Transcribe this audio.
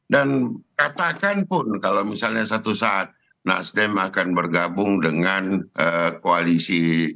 dan katakan pun kalau misalnya satu saat nasdem akan bergabung dengan koalisi